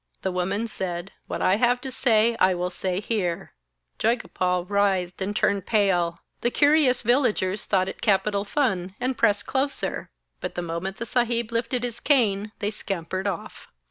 The woman said: 'What I have to say I will say here.' Joygopal writhed and turned pale. The curious villagers thought it capital fun, and pressed closer. But the moment the Saheb lifted his cane they scampered off.